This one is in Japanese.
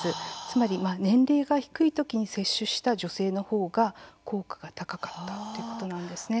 つまり年齢が低いときに接種した女性のほうが効果が高かったということなんです。